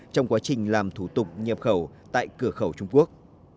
trong quá trình làm thủ tục nhập khẩu tại cửa khẩu trung quốc